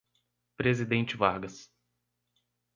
Presidente Vargas